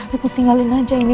kita tinggalin aja ini